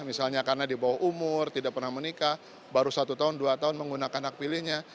misalnya karena di bawah umur tidak pernah menikah baru satu tahun dua tahun menggunakan hak pilihnya